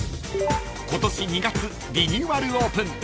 ［今年２月リニューアルオープン］